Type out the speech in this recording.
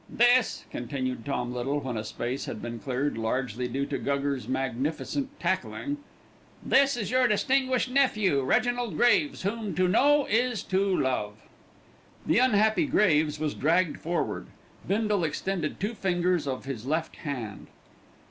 "This," continued Tom Little, when a space had been cleared, largely due to Guggers' magnificent tackling, "this is your distinguished nephew, Reginald Graves, whom to know is to love." The unhappy Graves was dragged forward. Bindle extended two fingers of his left hand.